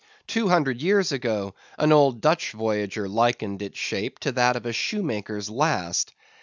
Two hundred years ago an old Dutch voyager likened its shape to that of a shoemaker's last.